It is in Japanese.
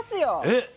えっ⁉